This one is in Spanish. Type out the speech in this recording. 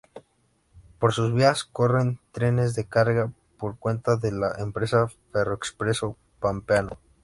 Por sus vías corren trenes de carga, por cuenta de la empresa Ferroexpreso Pampeano.